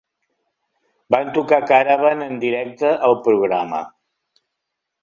Van tocar Caravan en directe al programa.